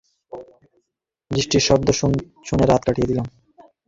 বৃষ্টির শব্দ শুনে রাত কাটিয়ে দিলাম।